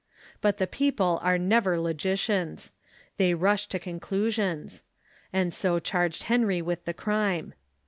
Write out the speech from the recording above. But the people are never logicians. They rush to conclusions ; and so charged Henry with the crime.